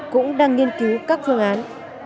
cũng đang nghiên cứu các phương án